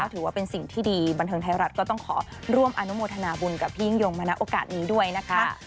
ถือว่าเป็นสิ่งที่ดีบันเทิงไทยรัฐก็ต้องขอร่วมอนุโมทนาบุญกับพี่ยิ่งยงมาณโอกาสนี้ด้วยนะคะ